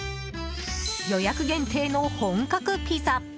予約限定の本格ピザ。